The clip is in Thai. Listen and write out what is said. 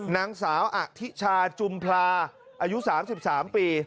นางสาวอาธิชาจุมพลาอายุสามสิบสามปี